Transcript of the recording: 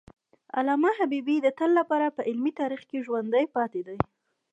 علامه حبیبي د تل لپاره په علمي تاریخ کې ژوندی پاتي دی.